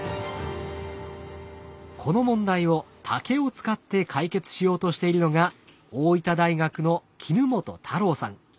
この問題を竹を使って解決しようとしているのが大分大学の衣本太郎さん。